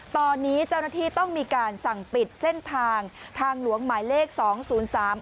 ตอนนี้เจ้าหน้าที่ต้องมีการสั่งปิดเส้นทางทางหลวงหมายเลขสองศูนย์สาม